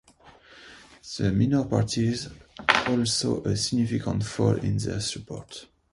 The minor parties all saw a significant fall in their support.